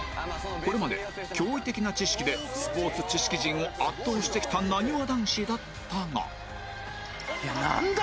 これまで驚異的な知識でスポーツ知識人を圧倒してきたなにわ男子だったがなんだ？